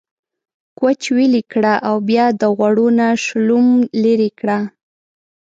کوچ ويلي کړه او بيا د غوړو نه شلوم ليرې کړه۔